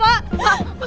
pak pak pak